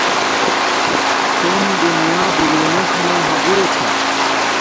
توم دنیا دولونس موں ھاگو چھا